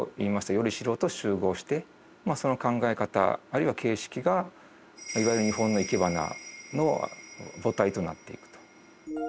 依り代と習合してその考え方あるいは形式がいわゆる日本のいけばなの母体となっていくと。